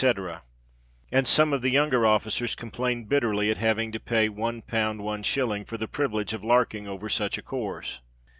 _ And some of the younger officers complained bitterly at having to pay £1:1s. for the privilege of "larking" over such a course!